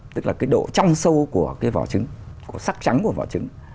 tức là cái độ trong sâu của cái vỏ trứng của sắc trắng của vỏ trứng